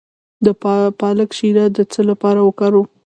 د پالک شیره د څه لپاره وکاروم؟